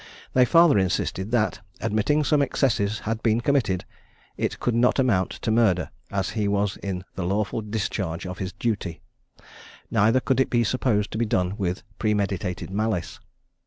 They farther insisted, that, admitting some excesses had been committed, it could not amount to murder, as he was in the lawful discharge of his duty; neither could it be supposed to be done with premeditated malice.